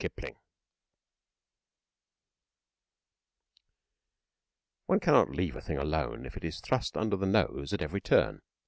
LABOUR One cannot leave a thing alone if it is thrust under the nose at every turn.